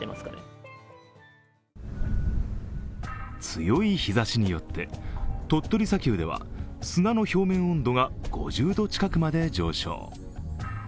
強い日ざしによって鳥取砂丘では砂の表面温度が５０度近くまで上昇。